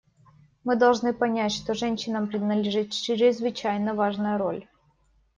Мы должны понять, что женщинам принадлежит чрезвычайно важная роль.